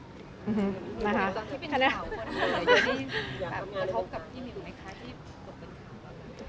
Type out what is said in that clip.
ตอนที่เป็นสาวคนเหมือนกับพี่มิวไหมคะ